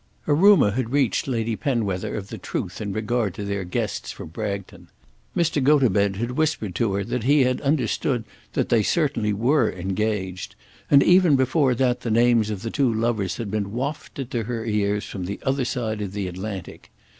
A rumour had reached Lady Penwether of the truth in regard to their guests from Bragton. Mr. Gotobed had whispered to her that he had understood that they certainly were engaged; and, even before that, the names of the two lovers had been wafted to her ears from the other side of the Atlantic.